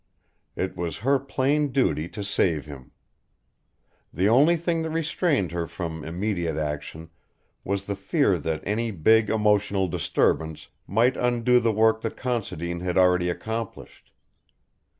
It was her plain duty to save him. The only thing that restrained her from immediate action was the fear that any big emotional disturbance might undo the work that Considine had already accomplished.